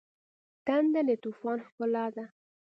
تندر د طوفان ښکلا ده.